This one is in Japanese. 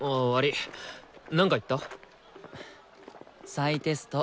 再テスト。